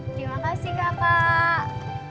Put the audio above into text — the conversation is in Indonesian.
terima kasih kakak